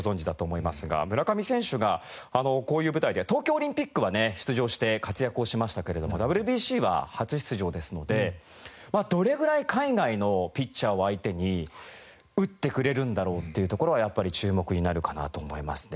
村上選手がこういう舞台で東京オリンピックはね出場して活躍をしましたけれどもＷＢＣは初出場ですのでどれぐらい海外のピッチャーを相手に打ってくれるんだろうっていうところはやっぱり注目になるかなと思いますね。